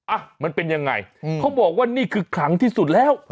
อ่ะมันเป็นยังไงเขาบอกว่านี่คือขลังที่สุดแล้ว